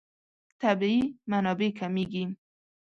طبیعي منابع کمېږي.